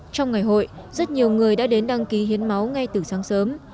trong ngày hội rất nhiều người đã đến đăng ký hiến máu ngay từ sáng sớm